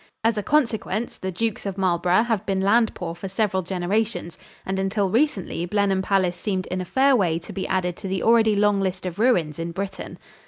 As a consequence, the Dukes of Marlborough have been land poor for several generations and until recently Blenheim Palace seemed in a fair way to be added to the already long list of ruins in Britain.